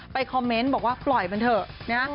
คอมเมนต์บอกว่าปล่อยมันเถอะนะ